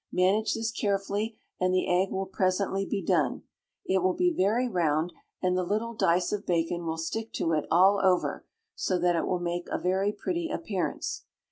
Manage this carefully, and the egg will presently be done: it will be very round, and the little dice of bacon will stick to it all over, so that it will make, a very pretty appearance.